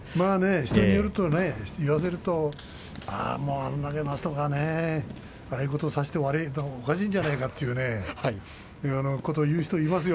人に言わせるとあれだけの人がねああいうことをさせて悪いとおかしいんじゃないかということを言う人がいますよ。